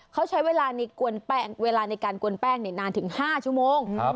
เขาใช้เวลาในเวลาในการกวนแป้งนานถึง๕ชั่วโมง